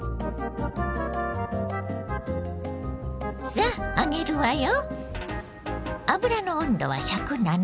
さあ揚げるわよ。